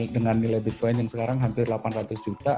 dengan nilai bitcoin yang sekarang hampir delapan ratus juta